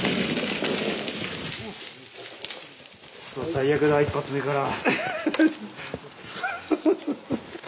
最悪だ一発目から。